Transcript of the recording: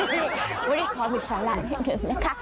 วันนี้ขอเป็นสาระนิดนึงนะคะ